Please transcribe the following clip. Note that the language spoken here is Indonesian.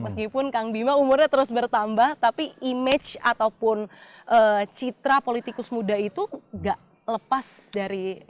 meskipun kang bima umurnya terus bertambah tapi image ataupun citra politikus muda itu gak lepas dari